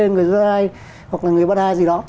người giai hoặc là người bát ai gì đó